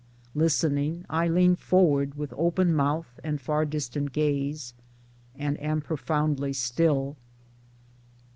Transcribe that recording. Listening I lean forward with open mouth and far distant gaze, and am profoundly still.